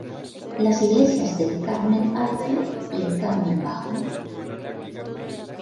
Las iglesias del carmen alto y el carmen bajo.